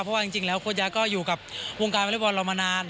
เพราะว่าจริงแล้วโค้ดย้าก็อยู่กับวงการมันเรียบร้อนเรามานาน